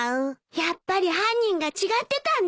やっぱり犯人が違ってたんでしょ。